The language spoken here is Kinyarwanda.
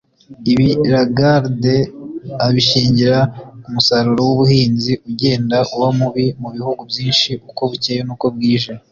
Ibi Lagarde abishingira ku musaruro w’ubuhinzi ugenda uba mubi mu bihugu byinshi uko bucyeye n’uko bwije